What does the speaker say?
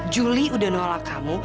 julie udah nolak kamu